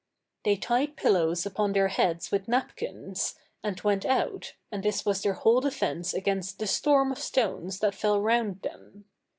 They tied pillows upon their heads with napkins, and went out, and this was their whole defence against the storm of stones that fell round them.